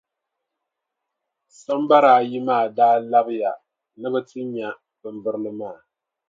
Sambara ayi maa daa labiya ni bɛ ti nya bimbirili maa.